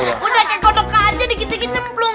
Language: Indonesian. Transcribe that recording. udah kayak kodok aja dikit dikit nyemplung